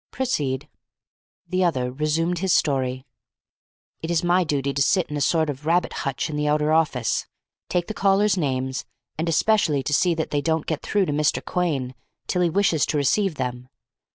"Proceed." The other resumed his story. "It is my duty to sit in a sort of rabbit hutch in the outer office, take the callers' names, and especially to see that they don't get through to Mr. Quhayne till he wishes to receive them.